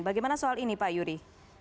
bagaimana soal ini pak yudi